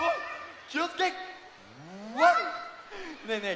ねえねえ